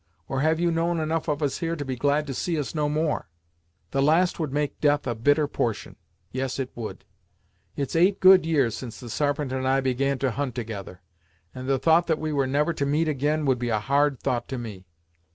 Or have you known enough of us here, to be glad to see us no more. "The last would make death a bitter portion; yes it would. It's eight good years since the Sarpent and I began to hunt together, and the thought that we were never to meet ag'in would be a hard thought to me.